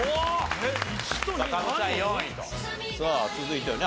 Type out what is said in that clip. さあ続いてはね